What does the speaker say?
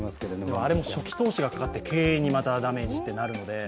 あれも初期投資がかかって経営にダメージとなるので。